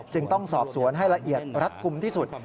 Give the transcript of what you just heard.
ต้องสอบสวนให้ละเอียดรัดกลุ่มที่สุด